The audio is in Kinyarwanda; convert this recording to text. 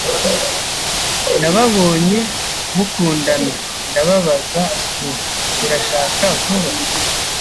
Nababonye mukundana, ndababaza nti: "Urashaka vuba?"